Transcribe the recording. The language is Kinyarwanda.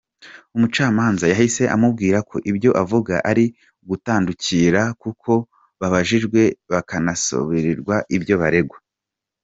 Umucamanza yahise amubwira ko ibyo avuga ari ugutandukira kuko babajijwe bakanasobanurirwa ibyo baregwa.